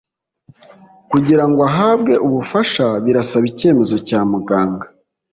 Kugira ngo ahabwe ubufasha birasaba icyemezo Cya Muganga